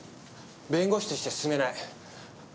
弁護士として勧めない。